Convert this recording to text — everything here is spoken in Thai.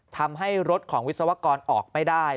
ทำให้รถของวิศวกรออกไม่ได้